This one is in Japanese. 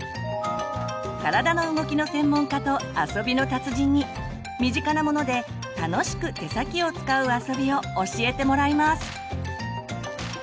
体の動きの専門家と遊びの達人に身近なもので楽しく手先を使う遊びを教えてもらいます！